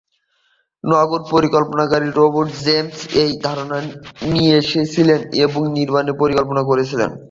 নগর পরিকল্পনাবিদ Robert Moses এই ধারণা নিয়ে এসেছিলেন এবং এর নির্মাণের পরিকল্পনা করেছিলেন।